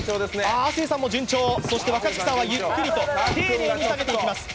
亜生さんも順調、若槻さんはゆっくりと丁寧に下げていきます。